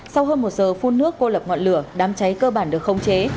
sau hơn một giờ phun nước cô lập ngọn lửa đám cháy cơ bản được khống chế